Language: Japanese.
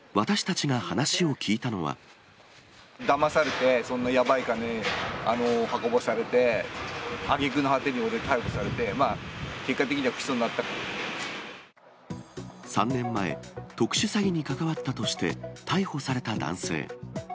だまされて、そんなやばい金、運ばされて、あげくの果てに俺が逮捕されて、３年前、特殊詐欺に関わったとして、逮捕された男性。